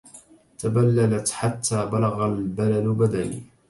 تبللت حتى بلغ البلل بدني.